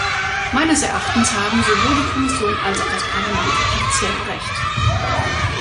Meines Erachtens haben sowohl die Kommission als auch das Parlament partiell Recht.